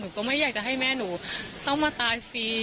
ก็ไม่อยากจะให้แม่หนูต้องมาตายฟรี